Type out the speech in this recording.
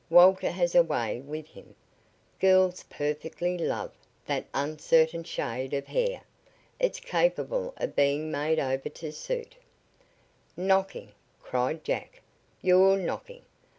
"Walter has a way with him. Girls 'perfectly love' that uncertain shade of hair. It's capable of being made over to suit " "Knocking!" cried Jack. "You're knocking!